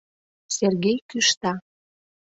— Сергей кӱшта.